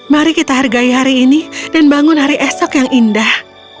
mari kita hargai hari ini dan bangun hari esok yang indah